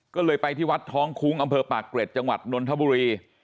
ก็เลยไปที่วัดท้องคุ้งอำเภอปากเกร็ดจังหวัดนนทบุรี